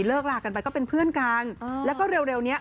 ลากันไปก็เป็นเพื่อนกันแล้วก็เร็วเนี้ย